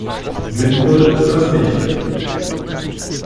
Sinnvoll ist das nicht!